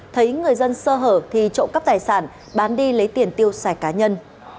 thấy người dân sơ hở thì trộm cắp tài sản bán đi lấy tiền tiêu xài cá nhân